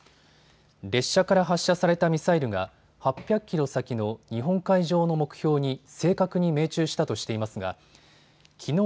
列車から発射されたミサイルが８００キロ先の日本海上の目標に正確に命中したとしていますがきのう